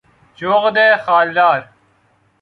جغد خالدار